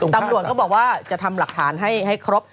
ตำรวจก็บอกว่าจะทำหลักฐานให้ครบ